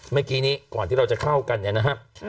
เมื่อกี้นี้ก่อนที่เราจะเข้ากันเนี่ยนะครับ